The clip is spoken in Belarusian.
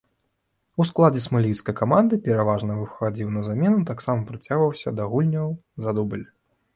У складзе смалявіцкай каманды пераважна выхадзіў на замену, таксама прыцягваўся да гульняў за дубль.